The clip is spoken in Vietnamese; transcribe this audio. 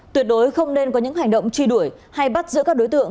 tuyệt đối không nên có những hành động truy đuổi hay bắt giữa các đối tượng